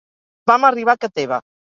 Vam arribar a ca teva.